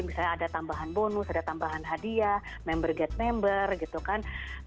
misalnya ada tambahan bonus ada tambahan hadiah member get member gitu kan